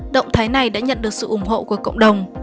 động thái này đã nhận được sự ủng hộ của cộng đồng